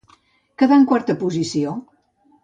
Quedà en la quarta posició.